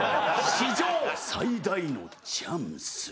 史上最大のチャンス。